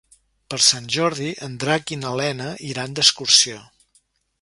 Per Sant Jordi en Drac i na Lena iran d'excursió.